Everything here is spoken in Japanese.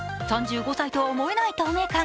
３５歳とは思えない透明感。